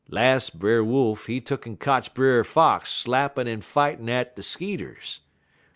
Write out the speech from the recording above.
Las' Brer Wolf, he tuck'n kotch Brer Fox slappin' en fightin' at he skeeters.